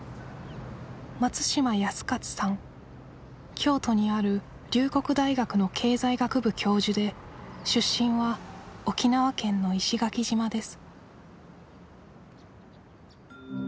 京都にある龍谷大学の経済学部教授で出身は沖縄県の石垣島です